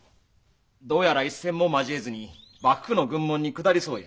どうやら一戦も交えずに幕府の軍門に下りそうや。